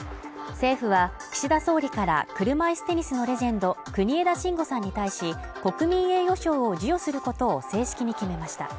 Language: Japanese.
政府は、岸田総理から車いすテニスのレジェンド国枝慎吾さんに対し、国民栄誉賞を授与することを正式に決めました。